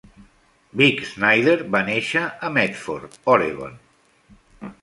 Vic Snyder va néixer a Medford, Oregon.